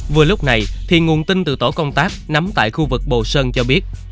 vừa lúc này thì nguồn tin từ tổ công tác nắm tại khu vực bồ sơn cho biết